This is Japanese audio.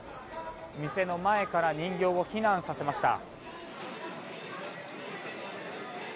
店の前から人形を避難させました。